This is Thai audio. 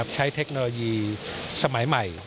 เทคโนโลยีสมัยใหม่